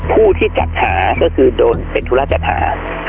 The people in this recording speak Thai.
ผู้ที่จัดหาก็คือโดนเป็นธุรตรฐาน